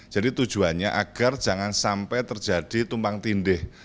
jadi tujuannya agar jangan sampai terjadi tumpang tindih